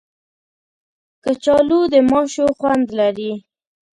کچالو د ماشو خوند لري